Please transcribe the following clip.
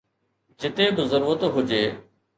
جتي به ضرورت هجي